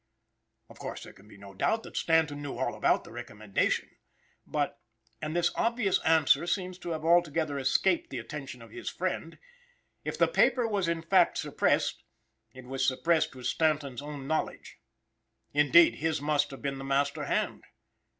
Of course, there can be no doubt that Stanton knew all about the recommendation. But, (and this obvious answer seems to have altogether escaped the attention of his friend), if the paper was in fact suppressed, it was suppressed with Stanton's own knowledge. Indeed, his must have been the master hand.